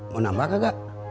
mau nambah gak